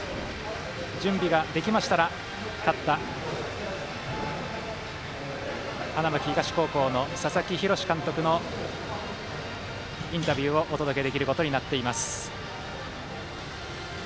準備ができましたら勝った花巻東高校の佐々木洋監督のインタビューをお届けできることになっています。